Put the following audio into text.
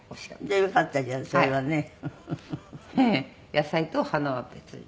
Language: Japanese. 野菜と花は別で。